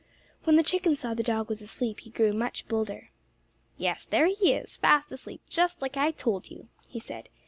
When the chicken saw the dog was asleep he grew much bolder. "Yes, there he is, fast asleep, just like I told you," he said.